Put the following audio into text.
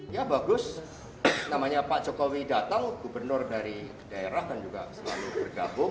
ya bagus namanya pak jokowi datang gubernur dari daerah kan juga selalu bergabung